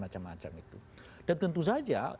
macam macam itu dan tentu saja